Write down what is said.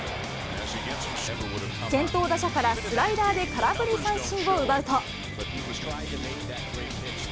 先頭打者からスライダーで空振り三振を奪うと。